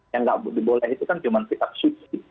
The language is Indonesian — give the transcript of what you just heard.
yang tidak diboleh itu kan cuma fitab suci